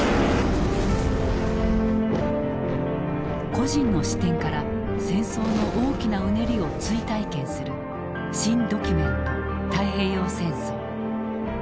個人の視点から戦争の大きなうねりを追体験する「新・ドキュメント太平洋戦争」。